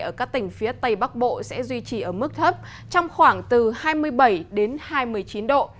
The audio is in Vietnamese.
ở các tỉnh phía tây bắc bộ sẽ duy trì ở mức thấp trong khoảng từ hai mươi bảy đến hai mươi chín độ